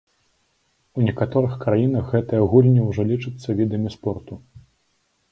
У некаторых краінах гэтыя гульні ўжо лічацца відамі спорту.